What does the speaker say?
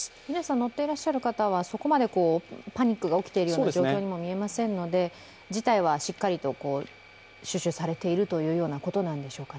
乗っていらっしゃる方はそこまでパニックが起きている状況にも見えませんので事態はしっかりと収拾されているということでしょうか。